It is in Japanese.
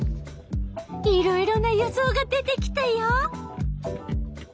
いろいろな予想が出てきたよ。